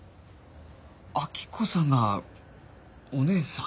明子さんがお姉さん？